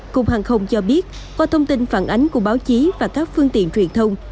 cục hàng không cho biết qua thông tin phản ánh của báo chí và các phương tiện truyền thông